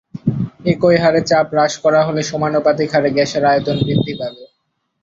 একই হারে চাপ হ্রাস করা হলে সমানুপাতিক হারে গ্যাসের আয়তন বৃদ্ধি পাবে।